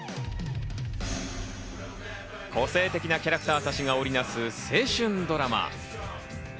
個性的なキャラクターたちが織りなす青春ドラマ。